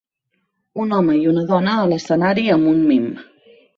Un home i una dona a l'escenari amb un mim.